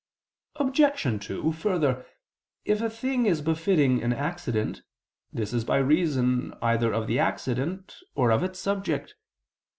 Obj. 2: Further, if a thing is befitting an accident, this is by reason either of the accident or of its subject.